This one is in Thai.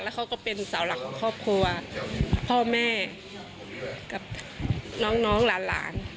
เขาก็เป็นเสาหลักของครอบครัวพ่อแม่กับน้องหลาน